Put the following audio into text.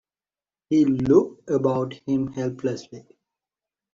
He looked about him helplessly.